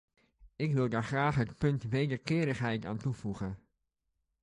Ik wil daar graag het punt wederkerigheid aan toevoegen.